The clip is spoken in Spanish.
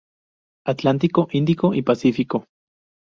Atlántico, Índico y Pacífico.